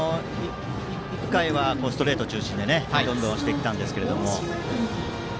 １回はストレート中心でどんどん押していたんですが。